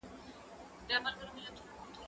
موسيقي واوره،